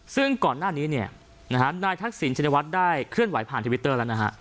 ซึ่งก่อนหน้านี้เนี่ยนะฮะนายทักษิณชินวัฒน์ได้เคลื่อนไหวผ่านทวิตเตอร์แล้วนะฮะ